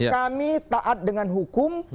kami taat dengan hukum